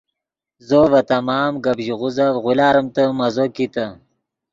زو ڤے تمام گپ ژیغوزف غولاریمتے مزو کیتے